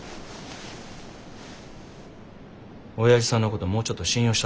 おやじさんのこともうちょっと信用したって。